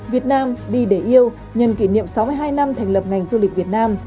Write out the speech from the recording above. việt nam đi để yêu nhân kỷ niệm sáu mươi hai năm thành lập ngành du lịch việt nam